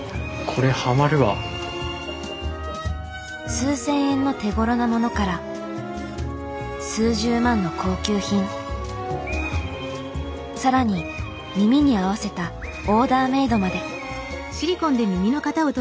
数千円の手ごろなものから数十万の高級品更に耳に合わせたオーダーメードまで。